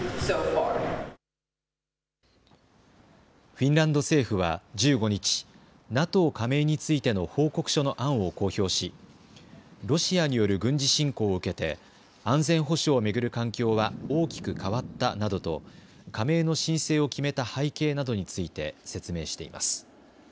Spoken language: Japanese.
フィンランド政府は１５日、ＮＡＴＯ加盟についての報告書の案を公表しロシアによる軍事侵攻を受けて安全保障を回る環境は大きく変わったなどと加盟の申請を決めた背景などについて説明しています。